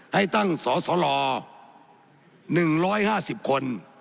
ให้ตั้งสสล๑๕๐คน